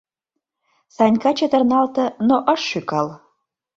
Санька чытырналте, но ыш шӱкал.